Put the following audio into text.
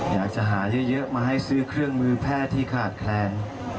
อยากจะหาเยอะมาให้ซื้อเครื่องมือแพทย์ที่ขาดแคลน